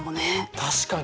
確かに。